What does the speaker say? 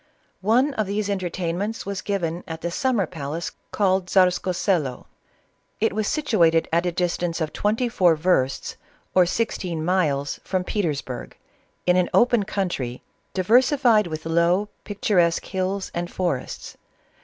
One of these entertainments was given at the sum mer paldce called Tzarskoselo. It was situated at a distance of twenty four versts, or sixteen miles, from Petersburg, in an open country, diversified with low, picturesque hills and forests.